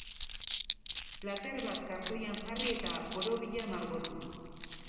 Plater bat kartoian jarri eta borobila margotu.